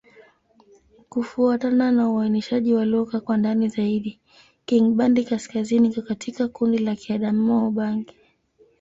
Kufuatana na uainishaji wa lugha kwa ndani zaidi, Kingbandi-Kaskazini iko katika kundi la Kiadamawa-Ubangi.